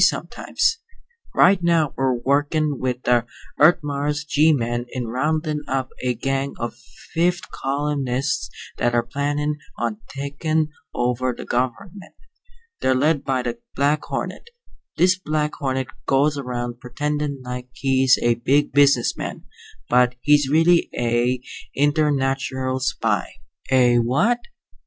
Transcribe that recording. sometimes. Right now we're workin' with the Earth Mars G men in roundin' up a gang of fifth columnists that are plannin' on takin' over the gov'ment. They're led by the Black Hornet. This Black Hornet goes around pretendin' like he's a big business man, but he's really a internatural spy." "A what?"